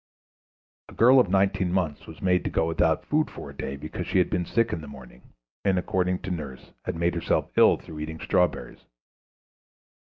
A girl of nineteen months was made to go without food for a day because she had been sick in the morning, and, according to nurse, had made herself ill through eating strawberries.